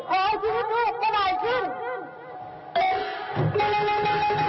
พอชินิทธิ์จะไหนขึ้น